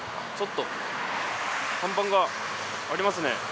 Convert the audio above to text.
ちょっと看板がありますね。